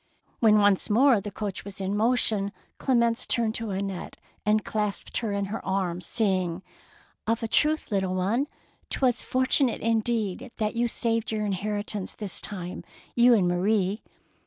When once more the coach was in motion, Clemence turned to Annette and clasped her in her arms, saying, —" Of a truth, little one, 'twas fortu nate indeed that you saved your in heritance this time, — you and Marie."